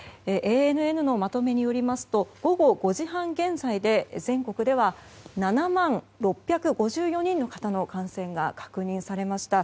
ＡＮＮのまとめによりますと午後５時半現在で全国では７万６５４人の方の感染が確認されました。